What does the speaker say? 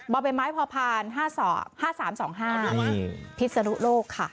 บมพพ๕๓๒๕พิศนุโลกค่ะ